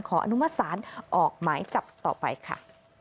อนุมัติศาลออกหมายจับต่อไปค่ะ